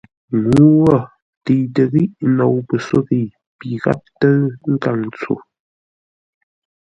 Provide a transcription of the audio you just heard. Ŋuu wo təitə́ ghíʼ nou pəsóghəi pi gháp tə́ʉ nkaŋ ntso.